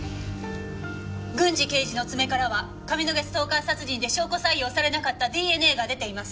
郡侍刑事の爪からは上野毛ストーカー殺人で証拠採用されなかったＤＮＡが出ています。